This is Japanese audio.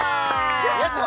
やった！